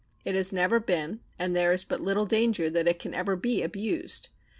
It has never been and there is but little danger that it ever can be abused.